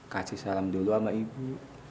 kasih salam dulu sama ibu